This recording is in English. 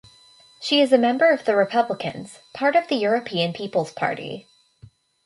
She is a member of the The Republicans; part of the European People's Party.